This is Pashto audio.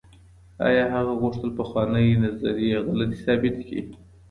آيا هغه غوښتل پخوانۍ نظريې غلطې ثابتې کړي؟